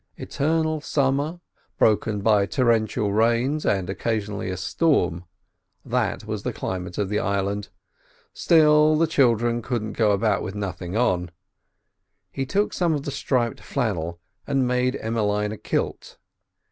Eternal summer, broken by torrential rains, and occasionally a storm, that was the climate of the island; still, the "childer" couldn't go about with nothing on. He took some of the striped flannel and made Emmeline a kilt.